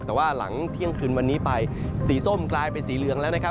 แต่ว่าหลังเที่ยงคืนวันนี้ไปสีส้มกลายเป็นสีเหลืองแล้วนะครับ